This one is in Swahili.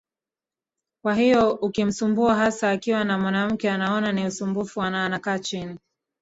kwa hiyo ukimsumbua hasa akiwa ni mwanamke anaona ni usumbufu ana ana kaa chini